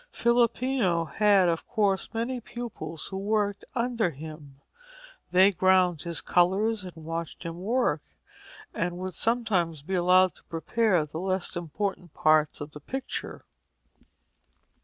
Filippino had, of course, many pupils who worked under him. They ground his colours and watched him work, and would sometimes be allowed to prepare the less important parts of the picture.